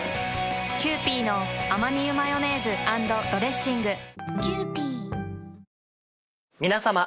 キユーピーのアマニ油マヨネーズ＆ドレッシング皆さま。